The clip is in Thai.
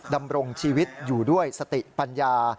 ดำรงชีวิตอยู่ด้วยสติปัญญา